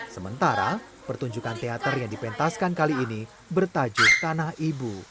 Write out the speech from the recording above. sementara pertunjukan teater yang dipentaskan kali ini bertajuk tanah ibu